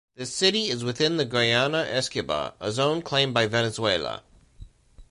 This city is within the Guayana Esequiba, a zone claimed by Venezuela.